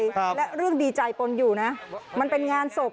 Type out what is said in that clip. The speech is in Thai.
ครับและเรื่องดีใจปนอยู่นะมันเป็นงานศพ